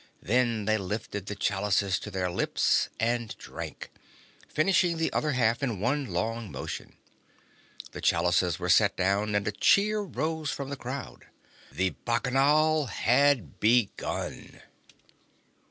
Then they lifted the chalices to their lips and drank, finishing the other half in one long motion. The chalices were set down, and a cheer rose from the crowd. The Bacchanal had begun!